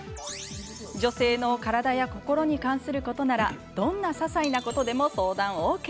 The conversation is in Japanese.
女性の体や心に関することならどんなささいなことでも相談ＯＫ。